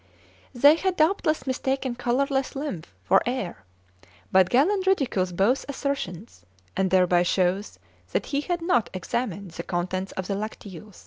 They had, doubtless, mistaken colourless lymph for air; but Galen ridicules both assertions, and thereby shows that he had not examined the contents of the lacteals.